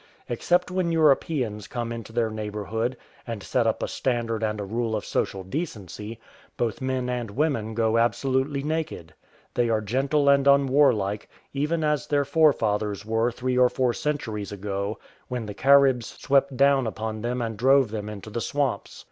Except when Europeans come into their neighbourhood and set up a standard and a rule of social decency, both men and women go absolutely naked. They are gentle and un warlike, even as their fore fathers were three or four centuries ago when the Caribs swept down upon them and drove them into the swamps.